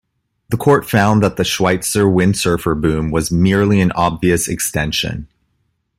The courts found that the Schweitzer windsurfer boom was "merely an obvious extension".